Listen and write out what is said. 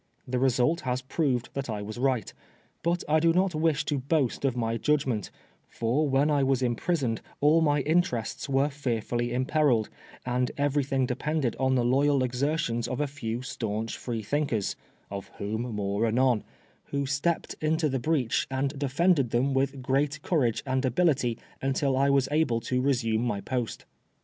The result has proved that I was right ; but I do not wish to boastof my judgment, for when I was imprisoned all my interests were fearfully imperilled, and everything depended on the loyal exertions of a few staunch Free thinkers (of whom more anon) who stepped into the breach and defended them with great courage and ability until I was able to resume my post.